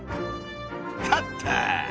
勝った！